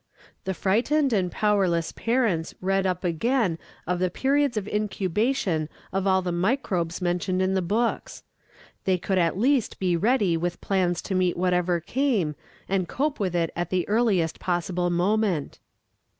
The frightened and powerless parents read up again on the periods of incubation of all the microbes mentioned in the books. They could at least be ready with plans to meet whatever came, and cope with it at the earliest possible moment.